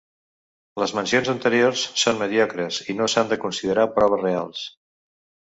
Les mencions anteriors són mediocres, i no s'han de considerar proves reals.